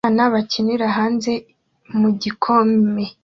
abana bakinira hanze mu gihome